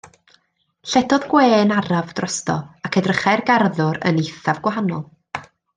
Lledodd gwên araf drosto ac edrychai'r garddwr yn eithaf gwahanol.